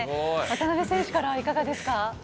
渡辺選手からはいかがですか？